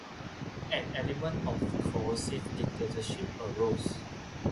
An element of coercive dictatorship arose.